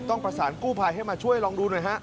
ประสานกู้ภัยให้มาช่วยลองดูหน่อยฮะ